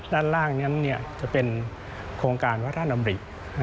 ด้านล่างนั้นจะเป็นโครงการวัฒนธรรมริ